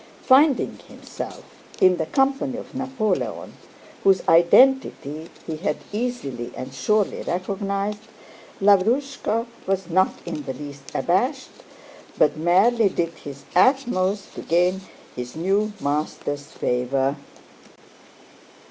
Finding himself in the company of Napoleon, whose identity he had easily and surely recognized, Lavrúshka was not in the least abashed but merely did his utmost to gain his new master's favor.